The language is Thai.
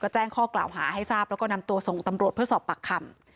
แจ้งข้อกล่าวหาให้ทราบแล้วก็นำตัวส่งตำรวจเพื่อสอบปากคำ